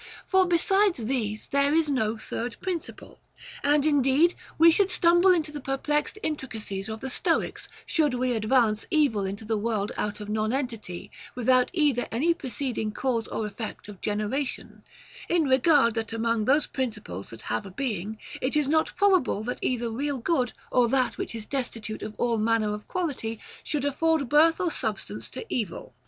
For besides these there is no third principle. And indeed, we should stumble into the per plexed intricacies of the Stoics, should we advance evil into the world out of nonentity, without either any pre ceding cause or effect of generation, in regard that among those principles that have a being, it is not probable that either real good or that which is destitute of all manner of quality should afford birth or substance to evil.